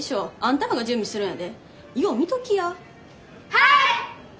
はい！